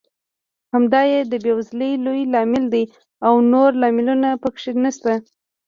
همدا یې د بېوزلۍ لوی لامل دی او نور لاملونه پکې نشته.